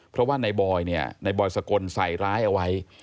เพราะว่านายบอยสกลใส่ร้ายเอาไว้